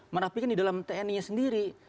merapikan di dalam tni nya sendiri